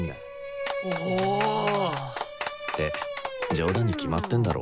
冗談に決まってんだろ。